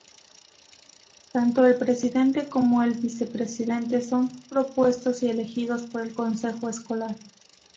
Tanto el presidente como el vicepresidente son propuestos y elegidos por el consejo escolar.